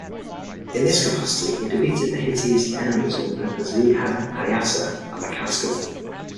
In this capacity, he defeated the Hittites' enemies among the Azzi-Hayasa and the Kaskas.